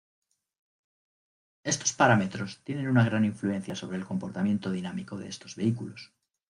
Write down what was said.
Estos parámetros tienen una gran influencia sobre el comportamiento dinámico de estos vehículos.